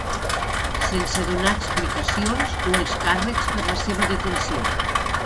Sense donar explicacions o els càrrecs per la seva detenció.